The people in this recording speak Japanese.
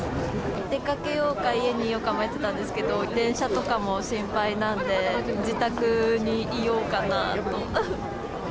出かけようか、家にいようか迷ってたんですけど、電車とかも心配なんで、自宅にいようかなと。